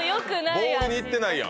ボールに行ってないやん。